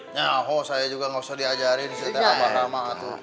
nyaho saya juga gak usah diajarin sih teh abang aku